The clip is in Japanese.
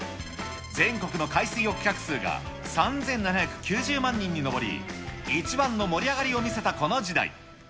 全国の海水浴客数が３７９０万人に上り、一番の盛り上がりを見せたこの時代。